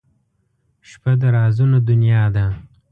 • شپه د رازونو دنیا ده.